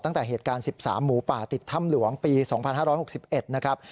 ตั้งแต่เหตุการณ์๑๓หมูป่าติดถ้ำหลวงปี๒๕๖๑นะครับ